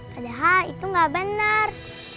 padahal itu gak bener